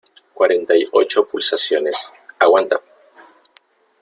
cuarenta y ocho pulsaciones . aguanta .